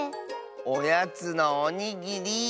おやつのおにぎり！